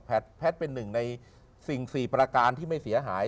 แพทย์เป็นหนึ่งในสิ่ง๔ประการที่ไม่เสียหาย